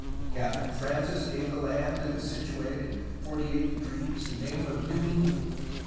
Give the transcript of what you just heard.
Captain Francis gave the land that is situated in 48 degrees the name of New England.